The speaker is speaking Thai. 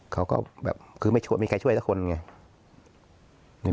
เขาก็แบบคือไม่ช่วยมีใครช่วยแต่คนไง